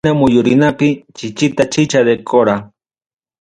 Esquina muyurinapi, chichita chicha de qora.